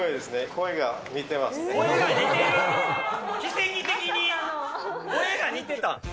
声が似てた。